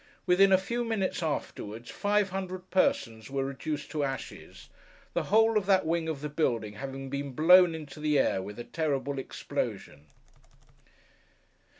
Within a few minutes afterwards, five hundred persons were reduced to ashes: the whole of that wing of the building having been blown into the air with a terrible explosion!